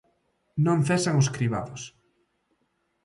Non cesan os cribados.